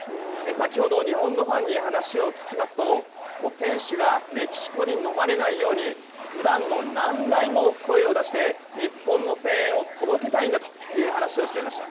先ほど、日本のファンに話を聞きますと選手がメキシコにのまれないように普段の何倍も声を出して日本の声援を届けたいんだという話をしていました。